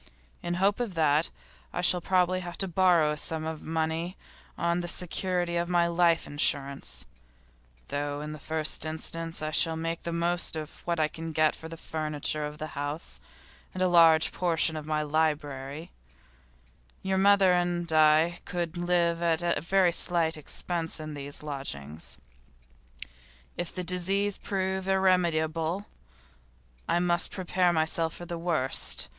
In hope of that I shall probably have to borrow a sum of money on the security of my life insurance, though in the first instance I shall make the most of what I can get for the furniture of the house and a large part of my library; your mother and I could live at very slight expense in lodgings. If the disease prove irremediable, I must prepare myself for the worst.